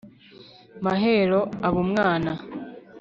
Mahero aba umwana